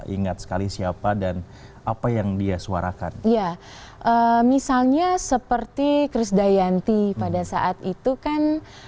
ingat sekali siapa dan apa yang dia suarakan iya misalnya seperti chris dayanti pada saat itu kan